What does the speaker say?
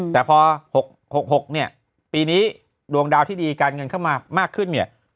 แต่พอ๖๖ปีนี้ดวงดาวที่ดีการเงินเข้ามามากขึ้น